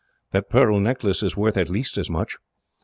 That pearl necklace is worth at least as much.